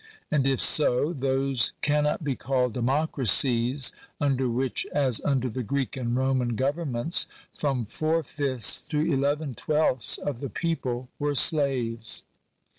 And if so, those cannot be called democracies under which, as under the Greek and Roman governments, from four fifths to eleven twelfths of the people were slaves.